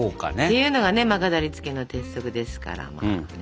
ていうのがね飾りつけの鉄則ですから。